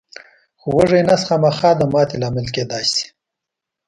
خو وږی نس خامخا د ماتې لامل کېدای شي.